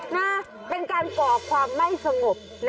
นะเป็นการก่อความไม่สงบนะ